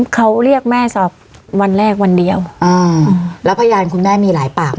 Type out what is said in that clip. เขาเรียกแม่สอบวันแรกวันเดียวแล้วพยานคุณแม่มีหลายปาก